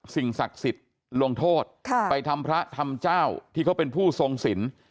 สิ่งศักดิ์สิทธิ์ลงโทษไปทำพระทำเจ้าที่เขาเป็นผู้ทรงสิน